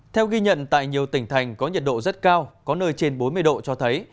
theo ghi nhận tại nhiều tỉnh thành có nhiệt độ rất cao có nơi trên bốn mươi độ cho thấy